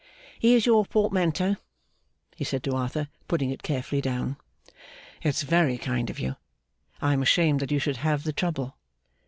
'Here's your portmanteau,' he said to Arthur, putting it carefully down. 'It's very kind of you. I am ashamed that you should have the trouble.